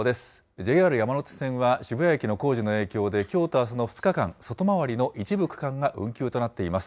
ＪＲ山手線は渋谷駅の工事の影響で、きょうとあすの２日間、外回りの一部区間が運休となっています。